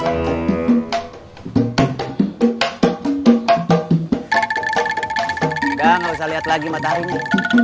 enggak gak usah liat lagi matahari ini